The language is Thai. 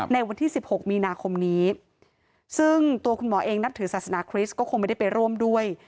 ในวันที่๑๖มีนาคมนี้ซึ่งตัวคุณหมอเองนับถือศาสนาคริสต์ก็คงไม่ได้ไปร่วมด้วย